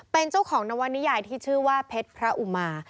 เป็นเจ้าของนวนิยายที่ชื่อว่าเพชรพระอุมา